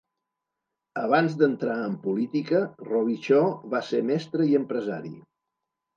Abans d'entrar en política, Robichaud va ser mestre i empresari.